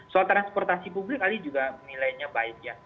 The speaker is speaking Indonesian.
soal transportasi publik ahli juga menilainya baik